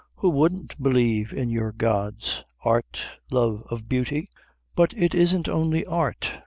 "Who wouldn't believe in your gods? Art, love of beauty " "But it isn't only art.